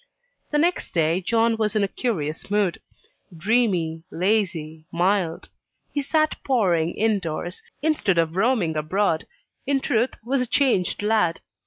The next day John was in a curious mood. Dreamy, lazy, mild; he sat poring in doors, instead of roaming abroad in truth, was a changed lad.